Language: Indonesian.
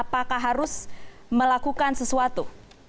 apakah harus melakukan sesuatu